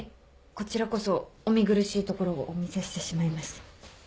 こちらこそお見苦しいところをお見せしてしまいまして。